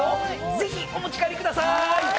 ぜひお持ち帰りくださーい！